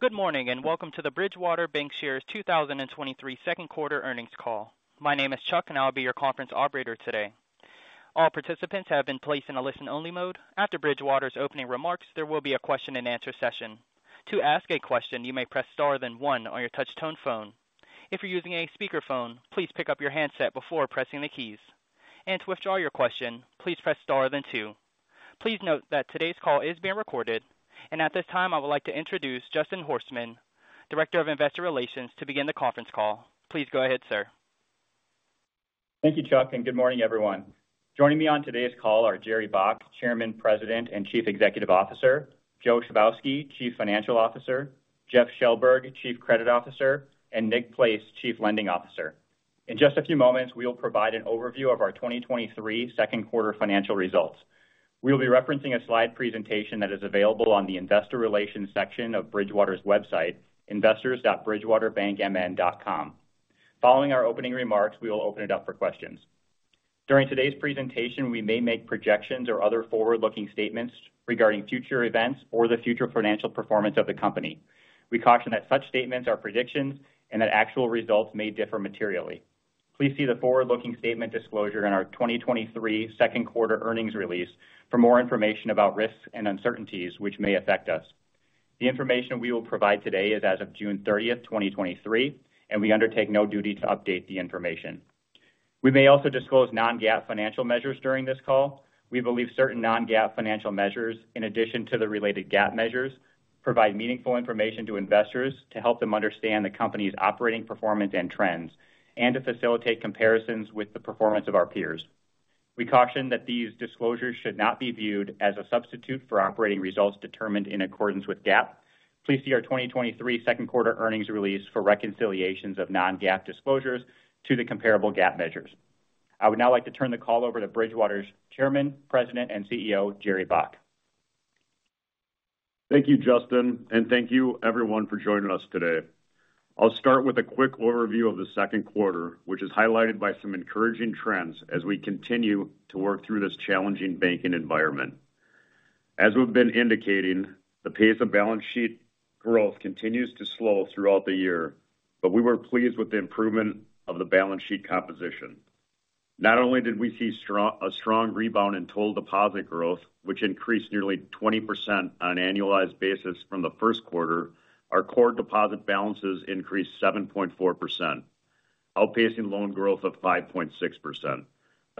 Good morning, welcome to the Bridgewater Bancshares 2023 Second Quarter Earnings Call. My name is Chuck, I'll be your conference operator today. All participants have been placed in a listen-only mode. After Bridgewater's opening remarks, there will be a question-and-answer session. To ask a question, you may press Star, then one on your touch-tone phone. If you're using a speakerphone, please pick up your handset before pressing the keys. To withdraw your question, please press Star, then two. Please note that today's call is being recorded. At this time, I would like to introduce Justin Horstman, Director of Investor Relations, to begin the conference call. Please go ahead, sir. Thank you, Chuck, and good morning, everyone. Joining me on today's call are Jerry Baack, Chairman, President, and Chief Executive Officer, Joe Chybowski, Chief Financial Officer, Jeff Shellberg, Chief Credit Officer, and Nick Place, Chief Lending Officer. In just a few moments, we will provide an overview of our 2023 second quarter financial results. We will be referencing a slide presentation that is available on the investor relations section of Bridgewater's website, investors.bridgewaterbankmn.com. Following our opening remarks, we will open it up for questions. During today's presentation, we may make projections or other forward-looking statements regarding future events or the future financial performance of the company. We caution that such statements are predictions and that actual results may differ materially. Please see the forward-looking statement disclosure in our 2023 second quarter earnings release for more information about risks and uncertainties which may affect us. The information we will provide today is as of June 30th, 2023. We undertake no duty to update the information. We may also disclose non-GAAP financial measures during this call. We believe certain non-GAAP financial measures, in addition to the related GAAP measures, provide meaningful information to investors to help them understand the company's operating performance and trends, and to facilitate comparisons with the performance of our peers. We caution that these disclosures should not be viewed as a substitute for operating results determined in accordance with GAAP. Please see our 2023 second quarter earnings release for reconciliations of non-GAAP disclosures to the comparable GAAP measures. I would now like to turn the call over to Bridgewater's Chairman, President, and CEO, Jerry Baack. Thank you, Justin. Thank you everyone for joining us today. I'll start with a quick overview of the second quarter, which is highlighted by some encouraging trends as we continue to work through this challenging banking environment. As we've been indicating, the pace of balance sheet growth continues to slow throughout the year. We were pleased with the improvement of the balance sheet composition. Not only did we see a strong rebound in total deposit growth, which increased nearly 20% on an annualized basis from the first quarter, our core deposit balances increased 7.4%, outpacing loan growth of 5.6%,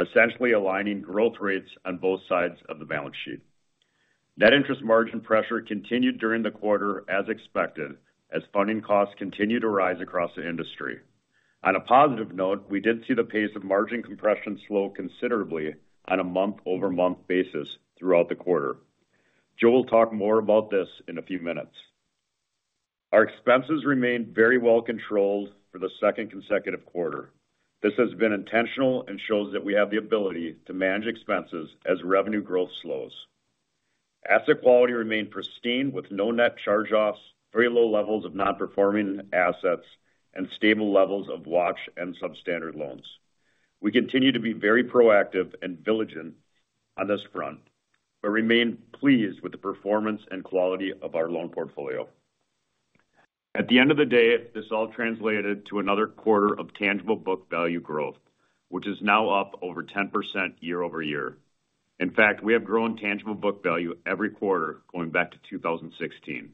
essentially aligning growth rates on both sides of the balance sheet. Net interest margin pressure continued during the quarter, as expected, as funding costs continued to rise across the industry. On a positive note, we did see the pace of margin compression slow considerably on a month-over-month basis throughout the quarter. Joe will talk more about this in a few minutes. Our expenses remained very well controlled for the second consecutive quarter. This has been intentional and shows that we have the ability to manage expenses as revenue growth slows. Asset quality remained pristine, with no net charge-offs, very low levels of non-performing assets, and stable levels of watch and substandard loans. We continue to be very proactive and vigilant on this front, but remain pleased with the performance and quality of our loan portfolio. At the end of the day, this all translated to another quarter of tangible book value growth, which is now up over 10% year-over-year. In fact, we have grown tangible book value every quarter going back to 2016.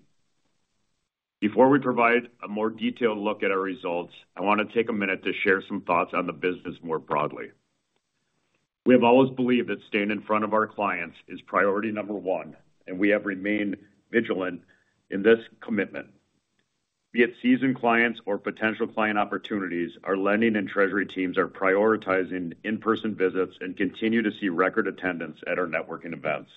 Before we provide a more detailed look at our results, I want to take a minute to share some thoughts on the business more broadly. We have always believed that staying in front of our clients is priority number one. We have remained vigilant in this commitment. Be it seasoned clients or potential client opportunities, our lending and treasury teams are prioritizing in-person visits and continue to see record attendance at our networking events.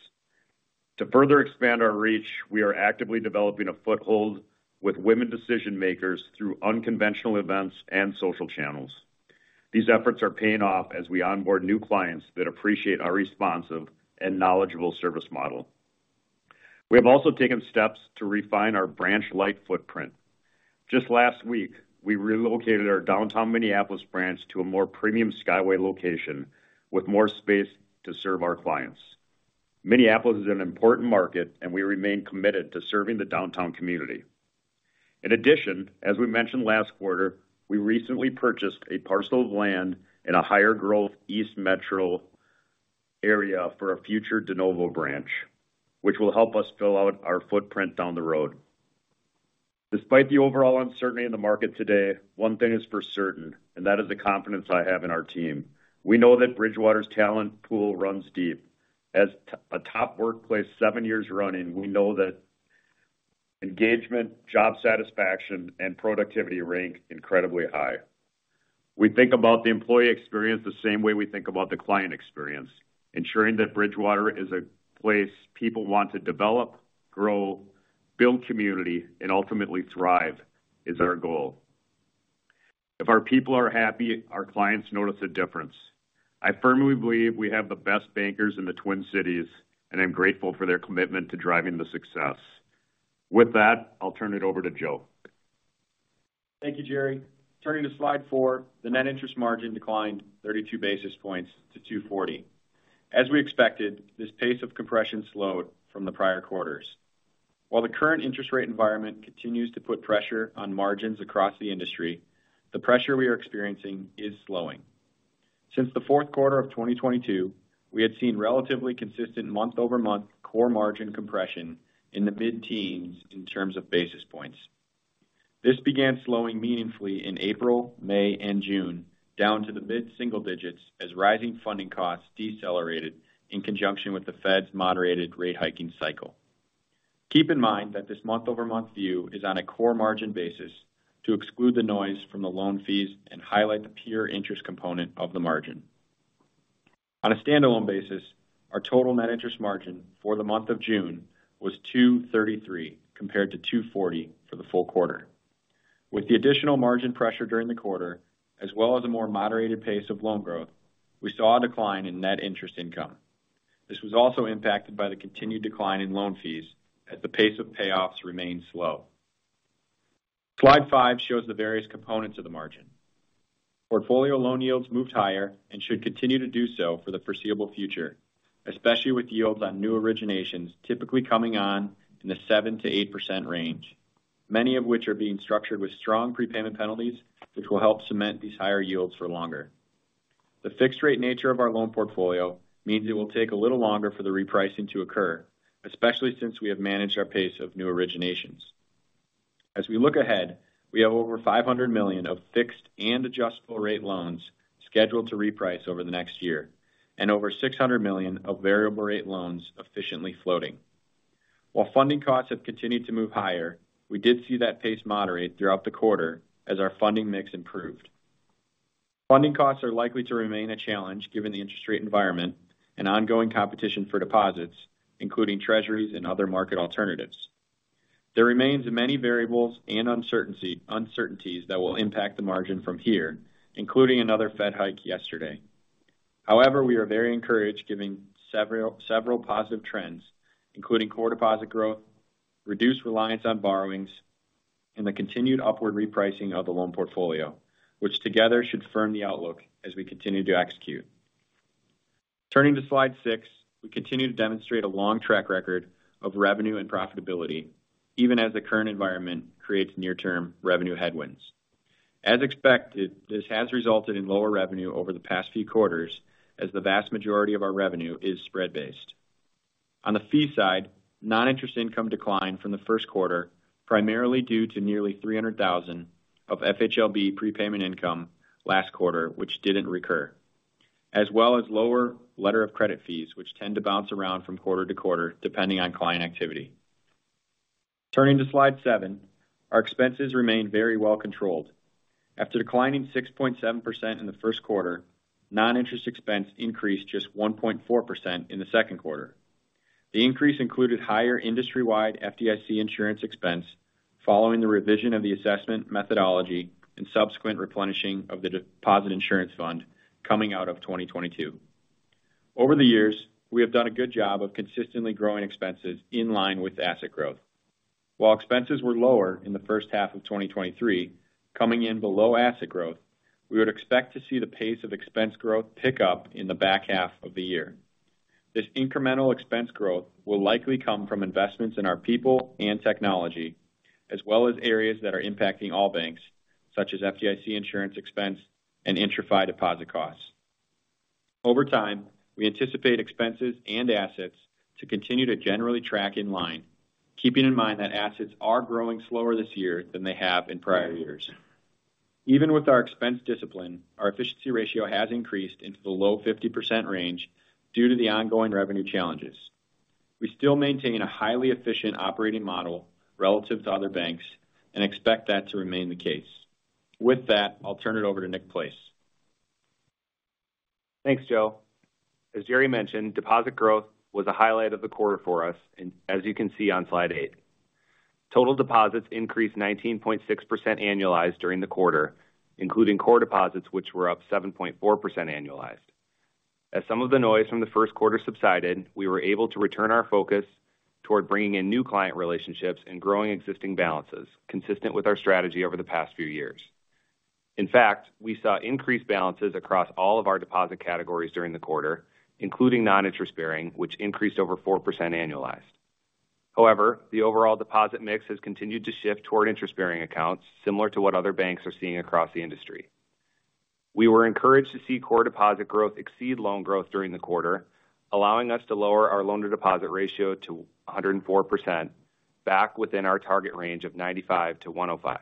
To further expand our reach, we are actively developing a foothold with women decision-makers through unconventional events and social channels. These efforts are paying off as we onboard new clients that appreciate our responsive and knowledgeable service model. We have also taken steps to refine our branch-like footprint. Just last week, we relocated our downtown Minneapolis branch to a more premium skyway location with more space to serve our clients. Minneapolis is an important market and we remain committed to serving the downtown community. In addition, as we mentioned last quarter, we recently purchased a parcel of land in a higher growth East Metro area for a future de novo branch, which will help us fill out our footprint down the road. Despite the overall uncertainty in the market today, one thing is for certain, and that is the confidence I have in our team. We know that Bridgewater's talent pool runs deep. As a top workplace seven years running, we know that engagement, job satisfaction, and productivity rank incredibly high. We think about the employee experience the same way we think about the client experience. Ensuring that Bridgewater is a place people want to develop, grow, build community, and ultimately thrive is our goal. If our people are happy, our clients notice a difference. I firmly believe we have the best bankers in the Twin Cities. I'm grateful for their commitment to driving the success. With that, I'll turn it over to Joe. Thank you, Jerry. Turning to slide 4, the net interest margin declined 32 basis points to 2.40%. As we expected, this pace of compression slowed from the prior quarters. While the current interest rate environment continues to put pressure on margins across the industry, the pressure we are experiencing is slowing. Since the fourth quarter of 2022, we had seen relatively consistent month-over-month core margin compression in the mid-teens in terms of basis points. This began slowing meaningfully in April, May, and June, down to the mid-single digits, as rising funding costs decelerated in conjunction with the Fed's moderated rate hiking cycle. Keep in mind that this month-over-month view is on a core margin basis to exclude the noise from the loan fees and highlight the peer interest component of the margin. On a standalone basis, our total net interest margin for the month of June was 2.33%, compared to 2.40% for the full quarter. With the additional margin pressure during the quarter, as well as a more moderated pace of loan growth, we saw a decline in net interest income. This was also impacted by the continued decline in loan fees as the pace of payoffs remained slow. Slide 5 shows the various components of the margin. Portfolio loan yields moved higher and should continue to do so for the foreseeable future, especially with yields on new originations typically coming on in the 7%-8% range, many of which are being structured with strong prepayment penalties, which will help cement these higher yields for longer. The fixed rate nature of our loan portfolio means it will take a little longer for the repricing to occur, especially since we have managed our pace of new originations. As we look ahead, we have over $500 million of fixed and adjustable rate loans scheduled to reprice over the next year, and over $600 million of variable rate loans efficiently floating. While funding costs have continued to move higher, we did see that pace moderate throughout the quarter as our funding mix improved. Funding costs are likely to remain a challenge given the interest rate environment and ongoing competition for deposits, including Treasuries and other market alternatives. There remains many variables and uncertainty, uncertainties that will impact the margin from here, including another Fed hike yesterday. However, we are very encouraged giving several positive trends, including core deposit growth, reduced reliance on borrowings, and the continued upward repricing of the loan portfolio, which together should firm the outlook as we continue to execute. Turning to slide 6, we continue to demonstrate a long track record of revenue and profitability, even as the current environment creates near-term revenue headwinds. As expected, this has resulted in lower revenue over the past few quarters, as the vast majority of our revenue is spread-based. On the fee side, non-interest income declined from the first quarter, primarily due to nearly $300,000 of FHLB prepayment income last quarter, which didn't recur, as well as lower letter of credit fees, which tend to bounce around from quarter to quarter, depending on client activity. Turning to slide 7, our expenses remained very well controlled. After declining 6.7% in the first quarter, non-interest expense increased just 1.4% in the second quarter. The increase included higher industry-wide FDIC insurance expense following the revision of the assessment methodology and subsequent replenishing of the Deposit Insurance Fund coming out of 2022. Over the years, we have done a good job of consistently growing expenses in line with asset growth. While expenses were lower in the first half of 2023, coming in below asset growth, we would expect to see the pace of expense growth pick up in the back half of the year. This incremental expense growth will likely come from investments in our people and technology, as well as areas that are impacting all banks, such as FDIC insurance expense and IntraFi deposit costs. Over time, we anticipate expenses and assets to continue to generally track in line, keeping in mind that assets are growing slower this year than they have in prior years. Even with our expense discipline, our efficiency ratio has increased into the low 50% range due to the ongoing revenue challenges. We still maintain a highly efficient operating model relative to other banks and expect that to remain the case. With that, I'll turn it over to Nick Place. Thanks, Joe. As Jerry mentioned, deposit growth was a highlight of the quarter for us. As you can see on slide 8, total deposits increased 19.6% annualized during the quarter, including core deposits, which were up 7.4% annualized. As some of the noise from the first quarter subsided, we were able to return our focus toward bringing in new client relationships and growing existing balances, consistent with our strategy over the past few years. In fact, we saw increased balances across all of our deposit categories during the quarter, including non-interest bearing, which increased over 4% annualized. However, the overall deposit mix has continued to shift toward interest-bearing accounts, similar to what other banks are seeing across the industry. We were encouraged to see core deposit growth exceed loan growth during the quarter, allowing us to lower our loan-to-deposit ratio to 104%, back within our target range of 95%-105%.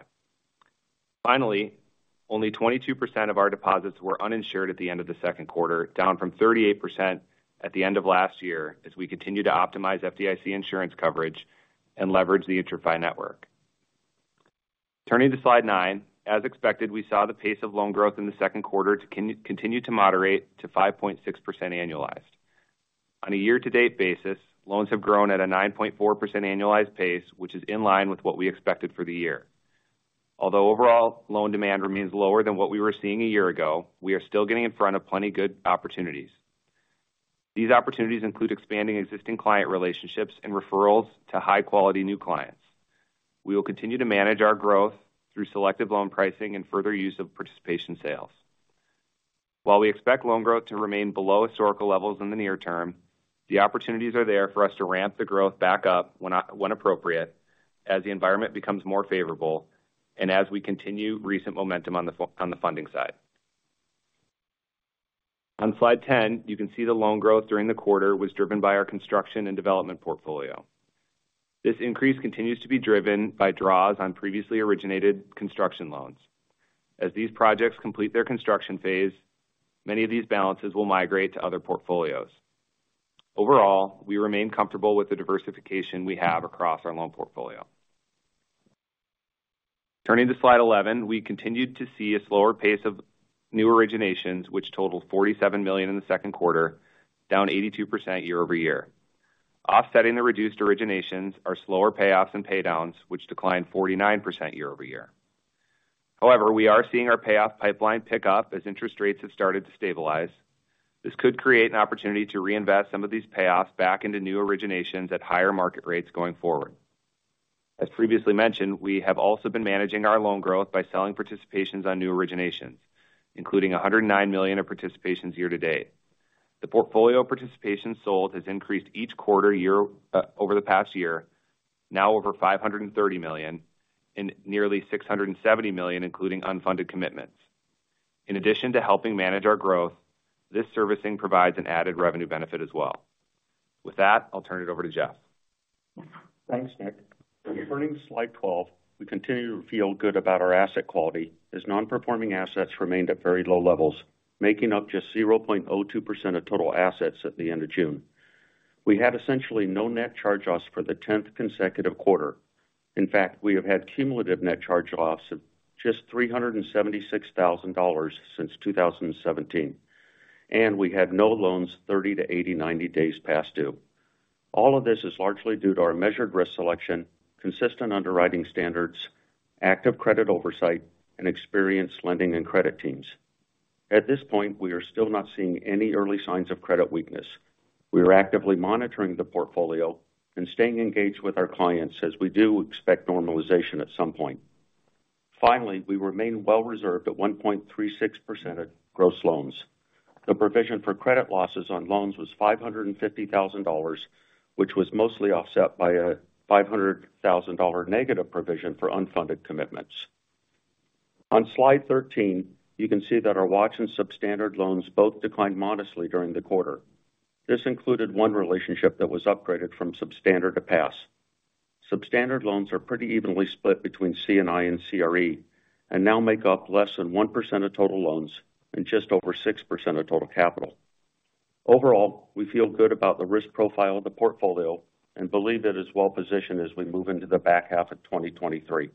Finally, only 22% of our deposits were uninsured at the end of the second quarter, down from 38% at the end of last year, as we continue to optimize FDIC insurance coverage and leverage the IntraFi network. Turning to slide 9, as expected, we saw the pace of loan growth in the second quarter continue to moderate to 5.6% annualized. On a year-to-date basis, loans have grown at a 9.4% annualized pace, which is in line with what we expected for the year. Although overall loan demand remains lower than what we were seeing a year ago, we are still getting in front of plenty good opportunities. These opportunities include expanding existing client relationships and referrals to high quality new clients. We will continue to manage our growth through selective loan pricing and further use of participation sales. While we expect loan growth to remain below historical levels in the near term, the opportunities are there for us to ramp the growth back up when appropriate, as the environment becomes more favorable and as we continue recent momentum on the funding side. On slide 10, you can see the loan growth during the quarter was driven by our construction and development portfolio. This increase continues to be driven by draws on previously originated construction loans. As these projects complete their construction phase, many of these balances will migrate to other portfolios. Overall, we remain comfortable with the diversification we have across our loan portfolio. Turning to slide 11, we continued to see a slower pace of new originations, which totaled $47 million in the second quarter, down 82% year-over-year. Offsetting the reduced originations are slower payoffs and paydowns, which declined 49% year-over-year. We are seeing our payoff pipeline pick up as interest rates have started to stabilize. This could create an opportunity to reinvest some of these payoffs back into new originations at higher market rates going forward. As previously mentioned, we have also been managing our loan growth by selling participations on new originations, including $109 million of participations year to date. The portfolio of participation sold has increased each quarter over the past year, now over $530 million and nearly $670 million, including unfunded commitments. In addition to helping manage our growth, this servicing provides an added revenue benefit as well. With that, I'll turn it over to Jeff. Thanks, Nick. Turning to slide 12, we continue to feel good about our asset quality as non-performing assets remained at very low levels, making up just 0.02% of total assets at the end of June. We had essentially no net charge-offs for the 10th consecutive quarter. In fact, we have had cumulative net charge-offs of just $376,000 since 2017, and we had no loans 30 to 80, 90 days past due. All of this is largely due to our measured risk selection, consistent underwriting standards, active credit oversight, and experienced lending and credit teams. At this point, we are still not seeing any early signs of credit weakness. We are actively monitoring the portfolio and staying engaged with our clients as we do expect normalization at some point. Finally, we remain well reserved at 1.36% of gross loans. The provision for credit losses on loans was $550,000, which was mostly offset by a $500,000 negative provision for unfunded commitments. On slide 13, you can see that our watch and substandard loans both declined modestly during the quarter. This included one relationship that was upgraded from substandard to pass. Substandard loans are pretty evenly split between C&I and CRE, and now make up less than 1% of total loans and just over 6% of total capital. Overall, we feel good about the risk profile of the portfolio and believe that it's well positioned as we move into the back half of 2023.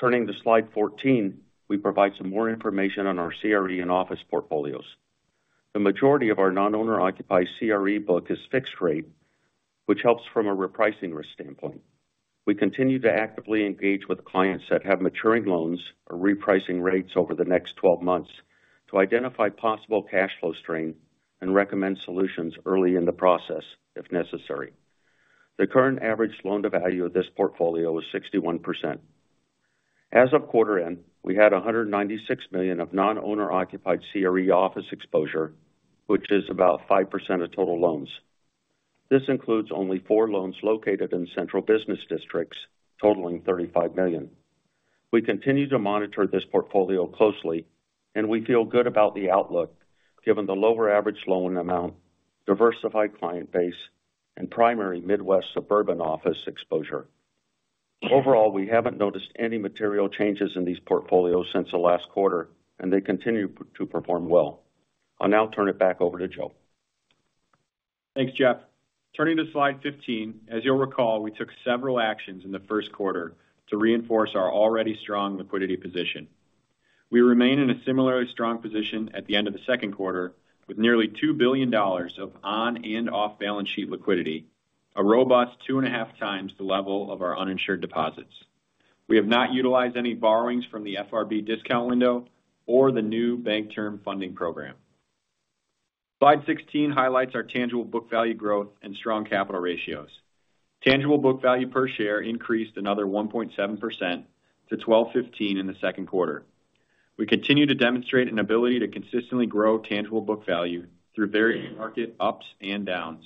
Turning to slide 14, we provide some more information on our CRE and office portfolios. The majority of our non-owner occupied CRE book is fixed rate, which helps from a repricing risk standpoint. We continue to actively engage with clients that have maturing loans or repricing rates over the next 12 months to identify possible cash flow strain and recommend solutions early in the process, if necessary. The current average loan to value of this portfolio is 61%. As of quarter end, we had $196 million of non-owner occupied CRE office exposure, which is about 5% of total loans. This includes only four loans located in central business districts, totaling $35 million. We continue to monitor this portfolio closely, and we feel good about the outlook, given the lower average loan amount, diversified client base, and primary Midwest suburban office exposure. Overall, we haven't noticed any material changes in these portfolios since the last quarter, and they continue to perform well. I'll now turn it back over to Joe. Thanks, Jeff. Turning to slide 15, as you'll recall, we took several actions in the first quarter to reinforce our already strong liquidity position. We remain in a similarly strong position at the end of the second quarter, with nearly $2 billion of on and off-balance sheet liquidity, a robust two and a half times the level of our uninsured deposits. We have not utilized any borrowings from the FRB discount window or the new Bank Term Funding Program. Slide 16 highlights our tangible book value growth and strong capital ratios. Tangible book value per share increased another 1.7% to $12.15 in the second quarter. We continue to demonstrate an ability to consistently grow tangible book value through varying market ups and downs.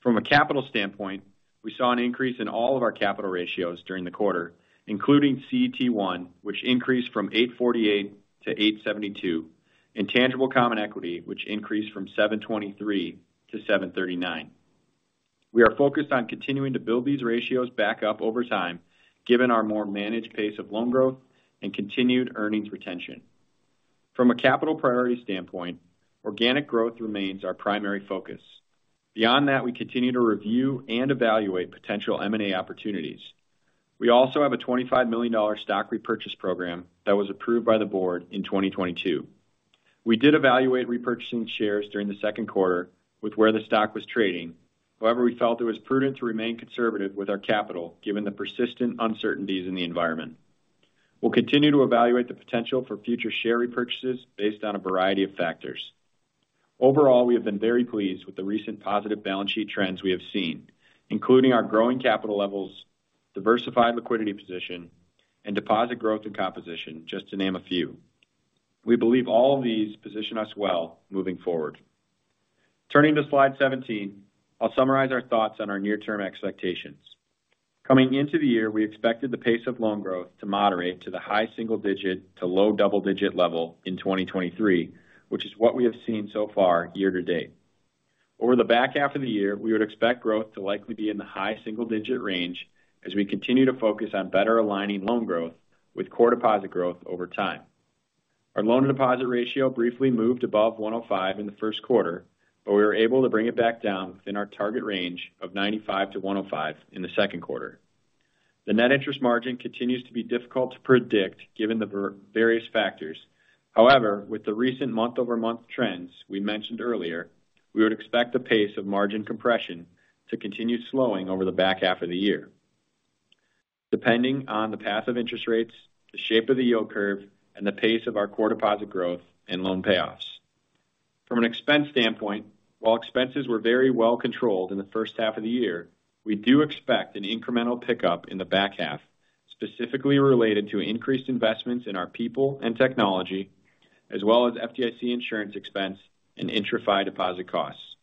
From a capital standpoint, we saw an increase in all of our capital ratios during the quarter, including CET1, which increased from 8.48% to 8.72%, and tangible common equity, which increased from 7.23% to 7.39%. We are focused on continuing to build these ratios back up over time, given our more managed pace of loan growth and continued earnings retention. From a capital priority standpoint, organic growth remains our primary focus. Beyond that, we continue to review and evaluate potential M&A opportunities. We also have a $25 million stock repurchase program that was approved by the board in 2022. We did evaluate repurchasing shares during the second quarter with where the stock was trading. However, we felt it was prudent to remain conservative with our capital, given the persistent uncertainties in the environment. We'll continue to evaluate the potential for future share repurchases based on a variety of factors. Overall, we have been very pleased with the recent positive balance sheet trends we have seen, including our growing capital levels, diversified liquidity position, and deposit growth and composition, just to name a few. We believe all of these position us well moving forward. Turning to slide 17, I'll summarize our thoughts on our near-term expectations. Coming into the year, we expected the pace of loan growth to moderate to the high single digit to low double digit level in 2023, which is what we have seen so far year to date. Over the back half of the year, we would expect growth to likely be in the high single digit range as we continue to focus on better aligning loan growth with core deposit growth over time. Our loan-to-deposit ratio briefly moved above 105% in the first quarter, but we were able to bring it back down within our target range of 95%-105% in the second quarter. The net interest margin continues to be difficult to predict given the various factors. However, with the recent month-over-month trends we mentioned earlier, we would expect the pace of margin compression to continue slowing over the back half of the year, depending on the path of interest rates, the shape of the yield curve, and the pace of our core deposit growth and loan payoffs. From an expense standpoint, while expenses were very well controlled in the first half of the year, we do expect an incremental pickup in the back half, specifically related to increased investments in our people and technology, as well as FDIC insurance expense and IntraFi deposit costs.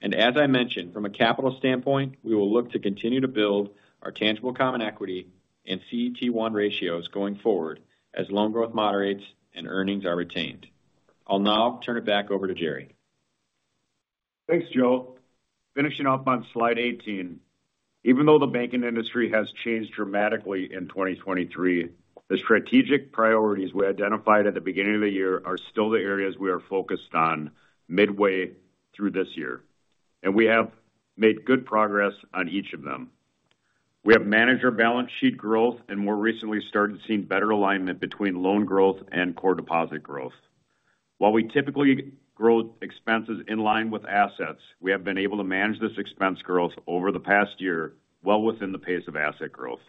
As I mentioned, from a capital standpoint, we will look to continue to build our tangible common equity and CET1 ratios going forward as loan growth moderates and earnings are retained. I'll now turn it back over to Jerry. Thanks, Joe. Finishing up on slide 18. Even though the banking industry has changed dramatically in 2023, the strategic priorities we identified at the beginning of the year are still the areas we are focused on midway through this year, and we have made good progress on each of them. We have managed our balance sheet growth and more recently started seeing better alignment between loan growth and core deposit growth. While we typically grow expenses in line with assets, we have been able to manage this expense growth over the past year, well within the pace of asset growth.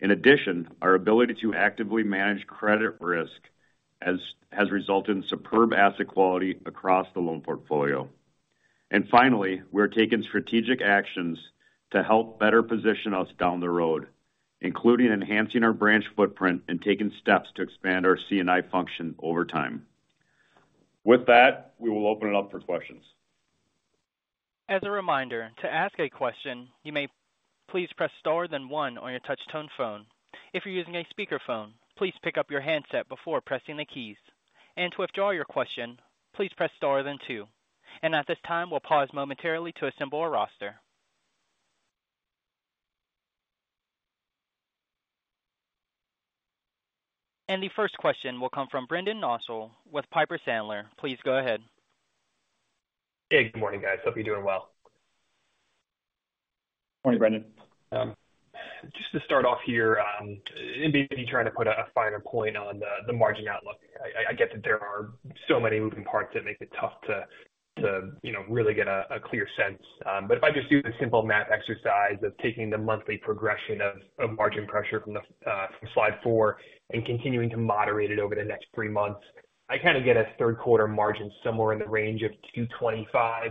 In addition, our ability to actively manage credit risk has resulted in superb asset quality across the loan portfolio. Finally, we're taking strategic actions to help better position us down the road, including enhancing our branch footprint and taking steps to expand our C&I function over time. With that, we will open it up for questions. As a reminder, to ask a question, you may please press Star, then one on your touch tone phone. If you're using a speakerphone, please pick up your handset before pressing the keys. To withdraw your question, please press Star then two. At this time, we'll pause momentarily to assemble our roster. The first question will come from Brendan Nosal with Piper Sandler. Please go ahead. Hey, good morning, guys. Hope you're doing well. Morning, Brendan. Just to start off here, maybe trying to put a finer point on the margin outlook. I get that there are so many moving parts that make it tough to, you know, really get a clear sense. If I just do the simple math exercise of taking the monthly progression of margin pressure from slide 4 and continuing to moderate it over the next three months, I kind of get a third quarter margin somewhere in the range of 2.25%.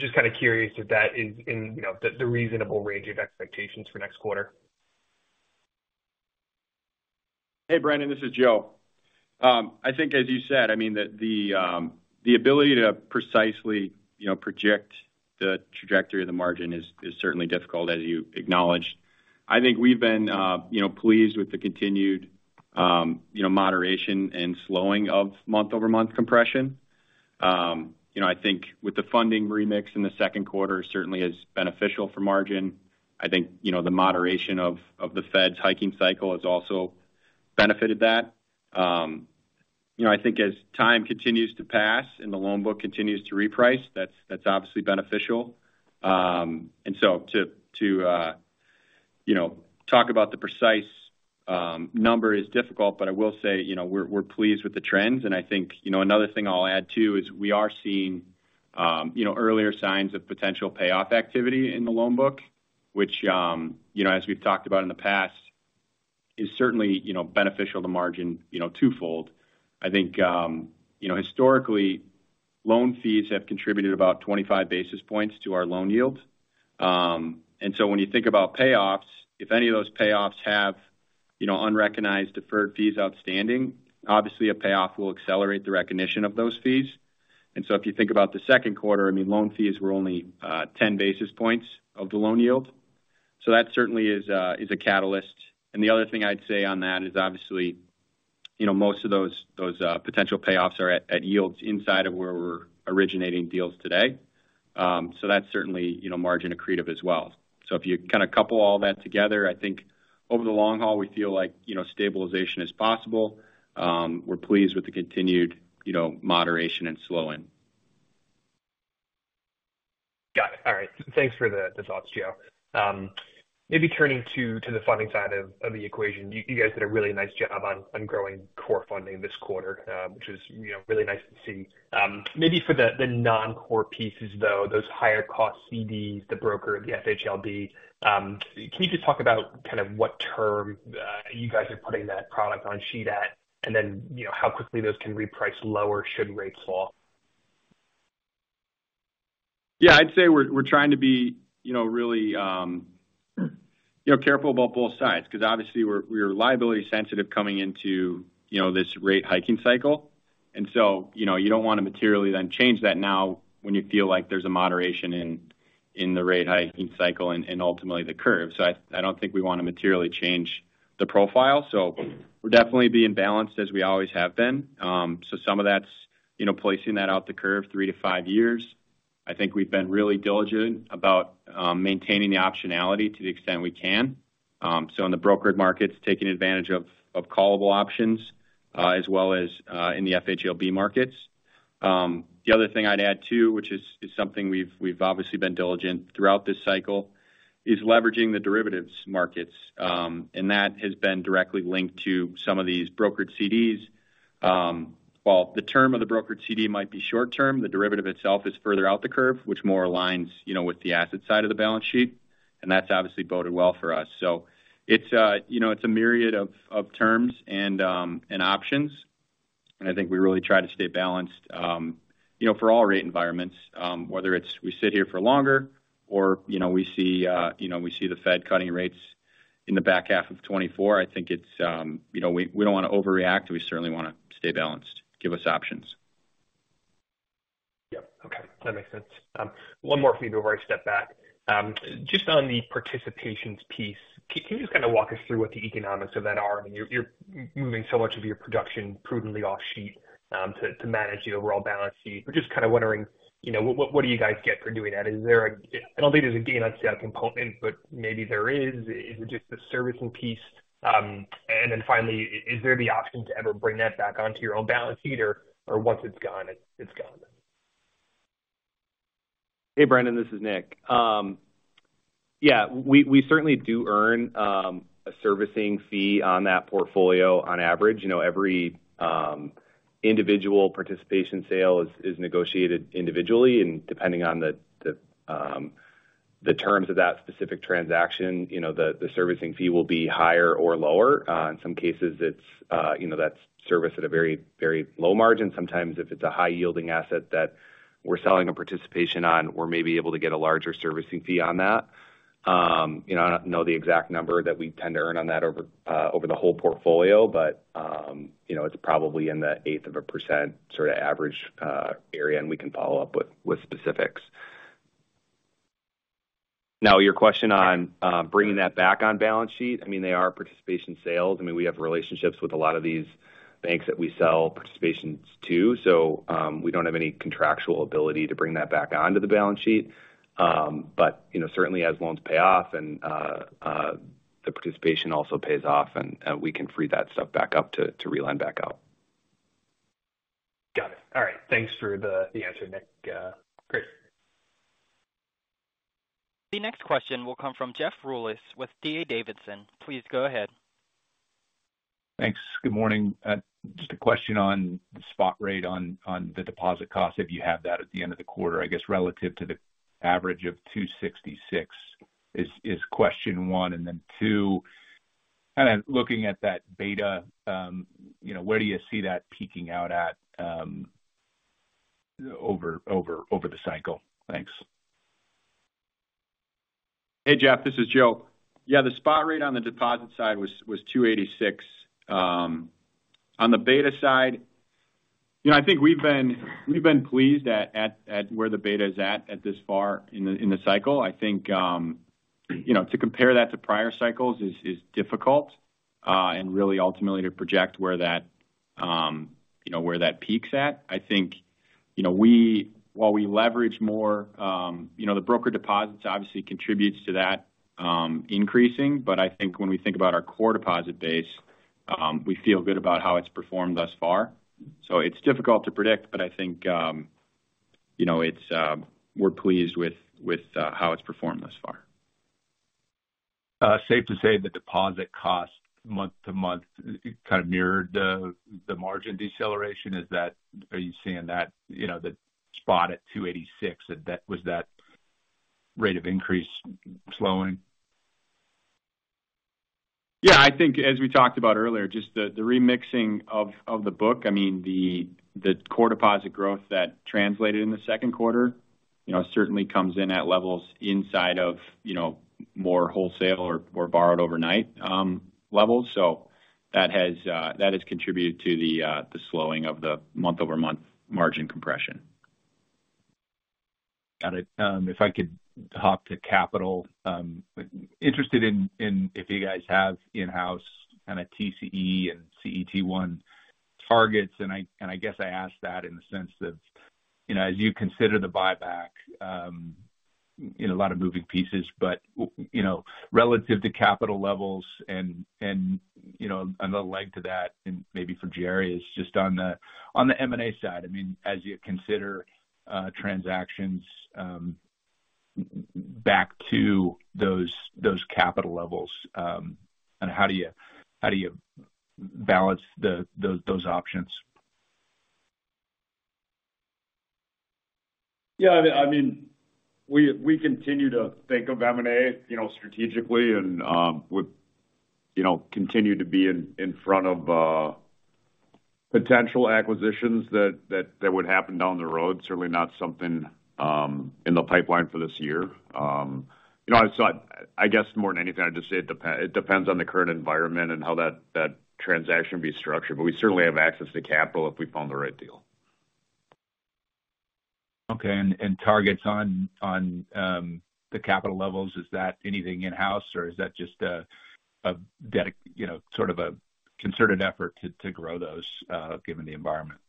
Just kind of curious if that is in, you know, the reasonable range of expectations for next quarter. Hey, Brendan, this is Joe. I think as you said, I mean, that the ability to precisely, you know, project the trajectory of the margin is certainly difficult, as you acknowledged. I think we've been, you know, pleased with the continued, you know, moderation and slowing of month-over-month compression. You know, I think with the funding remix in the second quarter certainly is beneficial for margin. I think, you know, the moderation of the Fed's hiking cycle has also benefited that. You know, I think as time continues to pass and the loan book continues to reprice, that's obviously beneficial. To talk about the precise number is difficult, but I will say, you know, we're pleased with the trends. I think, you know, another thing I'll add, too, is we are seeing, you know, earlier signs of potential payoff activity in the loan book, which, you know, as we've talked about in the past, is certainly, you know, beneficial to margin, you know, twofold. I think, you know, historically, loan fees have contributed about 25 basis points to our loan yield. When you think about payoffs, if any of those payoffs have, you know, unrecognized, deferred fees outstanding, obviously a payoff will accelerate the recognition of those fees. If you think about the second quarter, I mean, loan fees were only 10 basis points of the loan yield. That certainly is a catalyst. The other thing I'd say on that is obviously, you know, most of those potential payoffs are at yields inside of where we're originating deals today. That's certainly, you know, margin accretive as well. If you kind of couple all that together, I think over the long haul, we feel like, you know, stabilization is possible. We're pleased with the continued, you know, moderation and slowing. Thanks for the thoughts, Joe. Maybe turning to the funding side of the equation. You guys did a really nice job on growing core funding this quarter, which was, you know, really nice to see. Maybe for the non-core pieces, though, those higher cost CDs, the broker, the FHLB, can you just talk about kind of what term you guys are putting that product on sheet at? And then, you know, how quickly those can reprice lower should rates fall? Yeah, I'd say we're trying to be, you know, really, you know, careful about both sides, 'cause obviously we're, we're liability sensitive coming into, you know, this rate hiking cycle. You know, you don't want to materially then change that now when you feel like there's a moderation in, in the rate hiking cycle and, and ultimately the curve. I don't think we want to materially change the profile. We're definitely being balanced as we always have been. Some of that's, you know, placing that out the curve three to five years. I think we've been really diligent about maintaining the optionality to the extent we can. In the brokered markets, taking advantage of callable options, as well as in the FHLB markets. The other thing I'd add, too, which is something we've obviously been diligent throughout this cycle, is leveraging the derivatives markets, and that has been directly linked to some of these brokered CDs. While the term of the brokered CD might be short term, the derivative itself is further out the curve, which more aligns, you know, with the asset side of the balance sheet, and that's obviously boded well for us. It's, you know, it's a myriad of terms and options, and I think we really try to stay balanced, you know, for all rate environments, whether it's we sit here for longer or, you know, we see, you know, we see the Fed cutting rates in the back half of 2024. I think it's, you know, we don't want to overreact. We certainly want to stay balanced, give us options. Yep. Okay, that makes sense. One more for you before I step back. Just on the participations piece, can you just kind of walk us through what the economics of that are? I mean, you're moving so much of your production prudently off sheet to manage the overall balance sheet. We're just kind of wondering, you know, what, what do you guys get for doing that? Is there a I don't think there's a gain on sale component, but maybe there is. Is it just a servicing piece? Then finally, is there the option to ever bring that back onto your own balance sheet, or once it's gone, it's gone? Hey, Brendan, this is Nick. Yeah, we, we certainly do earn a servicing fee on that portfolio on average. You know, every individual participation sale is negotiated individually, and depending on the terms of that specific transaction, you know, the servicing fee will be higher or lower. In some cases, it's, you know, that's serviced at a very, very low margin. Sometimes if it's a high-yielding asset that we're selling a participation on, we're maybe able to get a larger servicing fee on that. You know, I don't know the exact number that we tend to earn on that over the whole portfolio, but, you know, it's probably in the 8% sort of average area, and we can follow up with, with specifics. Your question on bringing that back on balance sheet, I mean, they are participation sales. I mean, we have relationships with a lot of these banks that we sell participations to, so, we don't have any contractual ability to bring that back onto the balance sheet. You know, certainly as loans pay off and the participation also pays off and we can free that stuff back up to re-lend back out. Got it. All right. Thanks for the answer, Nick. Great. The next question will come from Jeff Rulis with D.A. Davidson. Please go ahead. Thanks. Good morning. Just a question on the spot rate on the deposit cost, if you have that at the end of the quarter, I guess, relative to the average of 2.66%, is question one. Two, kind of looking at that beta, you know, where do you see that peaking out at over the cycle? Thanks. Hey, Jeff, this is Joe. Yeah, the spot rate on the deposit side was 2.86%. On the beta side, you know, I think we've been pleased at where the beta is at this far in the cycle. I think, you know, to compare that to prior cycles is difficult, and really ultimately to project where that, you know, where that peaks at. I think, you know, while we leverage more, you know, the broker deposits obviously contributes to that increasing, but I think when we think about our core deposit base, we feel good about how it's performed thus far. It's difficult to predict, but I think, you know, it's we're pleased with how it's performed thus far. Safe to say the deposit cost month-to-month kind of mirrored the, the margin deceleration. Are you seeing that, you know, the spot at 2.86%, was that rate of increase slowing? Yeah, I think as we talked about earlier, just the, the remixing of the book. I mean, the, the core deposit growth that translated in the second quarter, you know, certainly comes in at levels inside of, you know, more wholesale or borrowed overnight, levels. That has contributed to the slowing of the month-over-month margin compression. Got it. If I could hop to capital, interested in if you guys have in-house kind of TCE and CET1 targets, and I guess I ask that in the sense that, you know, as you consider the buyback, you know, a lot of moving pieces, but, you know, relative to capital levels and, you know, another leg to that, and maybe for Jerry, is just on the M&A side. I mean, as you consider transactions back to those capital levels? How do you balance those options? Yeah, I mean, we, we continue to think of M&A, you know, strategically and would, you know, continue to be in front of potential acquisitions that would happen down the road. Certainly not something in the pipeline for this year. You know, I guess more than anything, I'd just say it depends on the current environment and how that transaction be structured, but we certainly have access to capital if we found the right deal. Okay. And targets on, on the capital levels, is that anything in-house, or is that just a you know, sort of a concerted effort to grow those given the environment?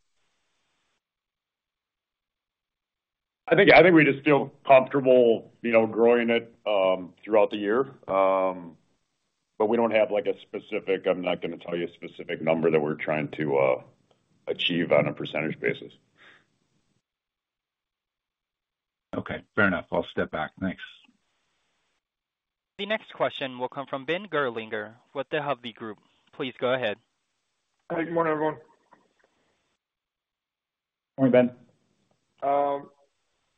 I think we just feel comfortable, you know, growing it throughout the year. We don't have, like, a specific. I'm not going to tell you a specific number that we're trying to achieve on a percentage basis. Okay, fair enough. I'll step back. Thanks. The next question will come from Ben Gerlinger with the Hovde Group. Please go ahead. Good morning, everyone. Morning, Ben.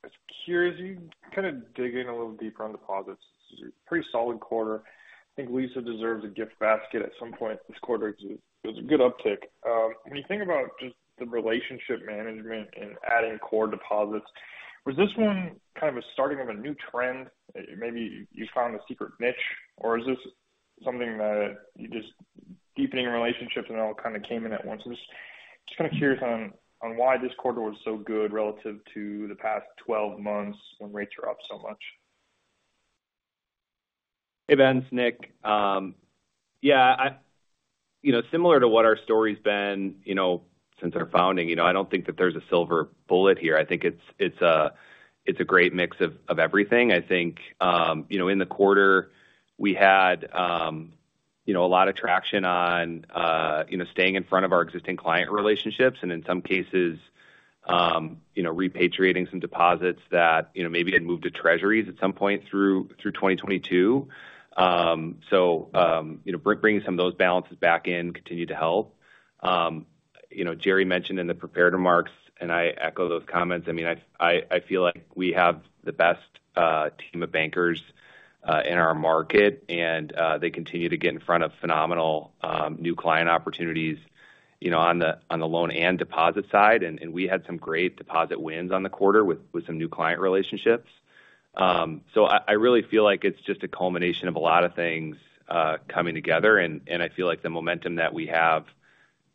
Just curious, can you kind of dig in a little deeper on deposits? Pretty solid quarter. I think Lisa deserves a gift basket at some point this quarter. It's a good uptick. When you think about just the relationship management and adding core deposits, was this one kind of a starting of a new trend? Maybe you found a secret niche, or is this something that you're just deepening relationships and it all kind of came in at once? I'm just kind of curious on why this quarter was so good relative to the past 12 months when rates are up so much. Hey, Ben, it's Nick. Yeah, you know, similar to what our story's been, you know, since our founding, you know, I don't think that there's a silver bullet here. I think it's a great mix of, of everything. I think, you know, in the quarter, we had, you know, a lot of traction on, you know, staying in front of our existing client relationships, and in some cases, you know, repatriating some deposits that, you know, maybe had moved to Treasuries at some point through 2022. You know, bringing some of those balances back in continued to help. You know, Jerry mentioned in the prepared remarks, and I echo those comments. We have the best team of bankers in our market, and they continue to get in front of phenomenal new client opportunities, you know, on the loan and deposit side. And we had some great deposit wins on the quarter with some new client relationships. So I really feel like it's just a culmination of a lot of things coming together, and I feel like the momentum that we have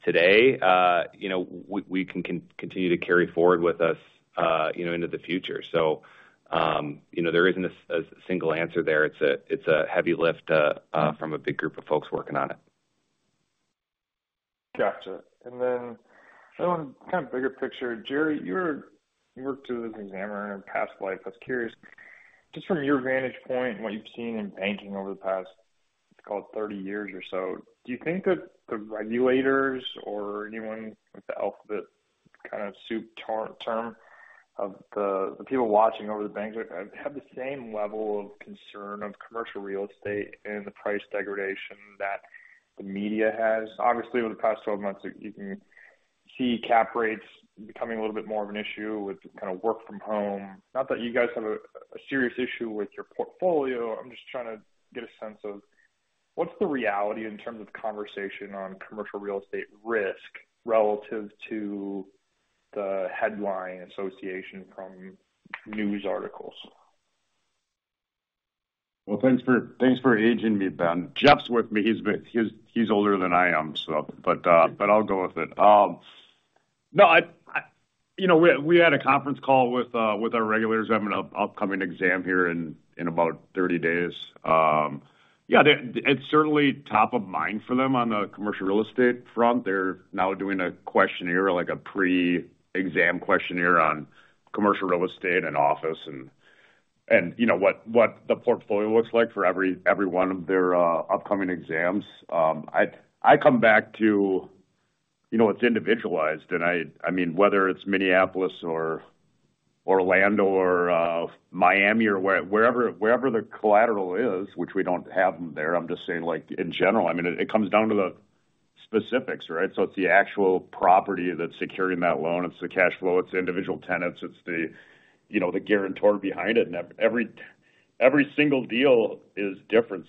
today, you know, we can continue to carry forward with us, you know, into the future. So, you know, there isn't a single answer there. It's a heavy lift from a big group of folks working on it Got it. Kind of bigger picture, Jerry, you worked as an examiner in a past life. I was curious, just from your vantage point and what you've seen in banking over the past, let's call it 30 years or so, do you think that the regulators or anyone with the alphabet kind of soup term of the people watching over the banks have the same level of concern of commercial real estate and the price degradation that the media has? Obviously, over the past 12 months, you can see cap rates becoming a little bit more of an issue with kind of work from home. Not that you guys have a serious issue with your portfolio. I'm just trying to get a sense of what's the reality in terms of conversation on commercial real estate risk relative to the headline association from news articles. Well, thanks for aging me, Ben. Jeff's with me. He's older than I am, so, but I'll go with it. No, I, you know, we had a conference call with our regulators. I have an upcoming exam here in about 30 days. Yeah, it's certainly top of mind for them on the commercial real estate front. They're now doing a questionnaire, like a pre-exam questionnaire on commercial real estate and office and, you know, what the portfolio looks like for every one of their upcoming exams. I come back to, you know, it's individualized, and I mean, whether it's Minneapolis or Orlando or Miami or wherever, wherever the collateral is, which we don't have them there, I'm just saying, like, in general, I mean, it comes down to the specifics, right? It's the actual property that's securing that loan. It's the cash flow, it's the individual tenants, it's the, you know, the guarantor behind it. Every single deal is different.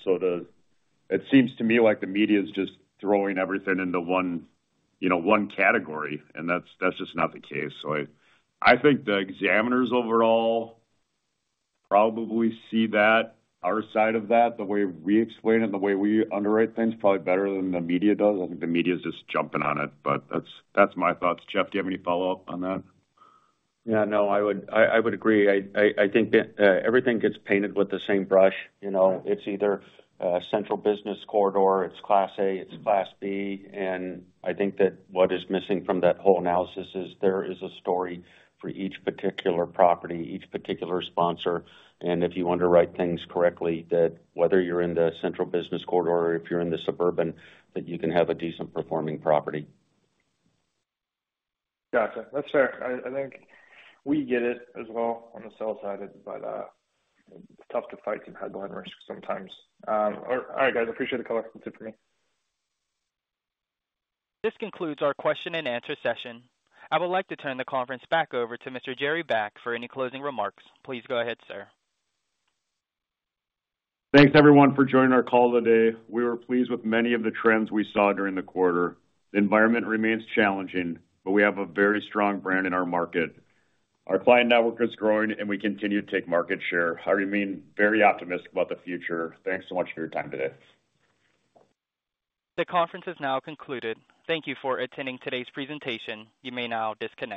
It seems to me like the media is just throwing everything into one, you know, one category, and that's just not the case. I think the examiners overall probably see that, our side of that, the way we explain it, and the way we underwrite things, probably better than the media does. I think the media is just jumping on it, but that's, that's my thoughts. Jeff, do you have any follow-up on that? No, I would agree. I think that everything gets painted with the same brush. You know, it's either a central business corridor, it's Class A, it's Class B. I think that what is missing from that whole analysis is there is a story for each particular property, each particular sponsor. If you underwrite things correctly, that whether you're in the central business corridor or if you're in the suburban, that you can have a decent performing property. Got it. That's fair. I think we get it as well on the sell side, but it's tough to fight some headline risks sometimes. All right, guys, I appreciate the call. Thanks for me. This concludes our question and answer session. I would like to turn the conference back over to Mr. Jerry Baack for any closing remarks. Please go ahead, sir. Thanks, everyone, for joining our call today. We were pleased with many of the trends we saw during the quarter. The environment remains challenging, but we have a very strong brand in our market. Our client network is growing, and we continue to take market share. I remain very optimistic about the future. Thanks so much for your time today. The conference is now concluded. Thank you for attending today's presentation. You may now disconnect.